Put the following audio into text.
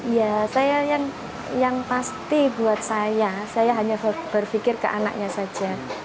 ya saya yang pasti buat saya saya hanya berpikir ke anaknya saja